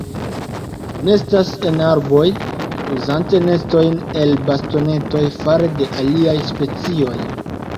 Nestas en arboj, uzante nestojn el bastonetoj fare de aliaj specioj.